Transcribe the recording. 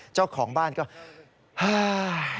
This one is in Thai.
เจ้าของบ้านก็ฮ่า